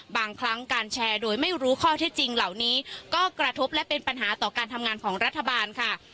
บางครั้งการแชร์โดยไม่รู้ข้อเท็จจริงเหล่านี้ก็กระทบและเป็นปัญหาต่อการทำงานของรัฐบาลค่ะ